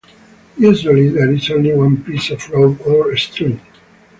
Usually there is only one piece of rope or string.